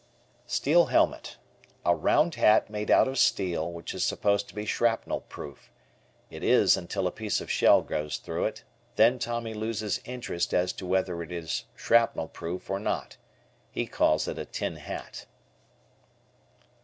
Steel Helmet. A round hat made out of steel which is supposed to be shrapnel proof. It is until a piece of shell goes through it, then Tommy loses interest as to whether it is shrapnel proof or not. He calls it a "tin hat."